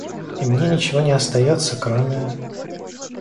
И мне ничего не остается, кроме...